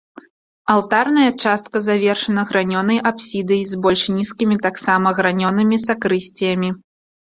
Алтарная частка завершана гранёнай апсідай, з больш нізкімі, таксама гранёнымі, сакрысціямі.